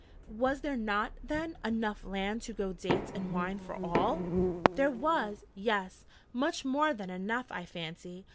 'Was there not, then, enough land to grow dates and wine for all?' 'There was yes: much more than enough, I fancy.